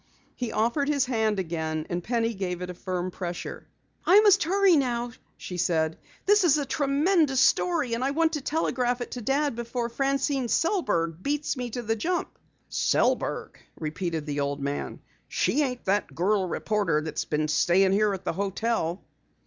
He offered his hand again and Penny gave it a firm pressure. "I must hurry now," she said. "This is a tremendous story, and I want to telegraph it to Dad before Francine Sellberg beats me to the jump." "Sellberg?" repeated the old man. "She ain't that girl reporter that's been stayin' here at the hotel?"